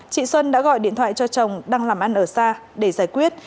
chị xuân đã gọi điện thoại cho chồng đang làm ăn ở xa để giải quyết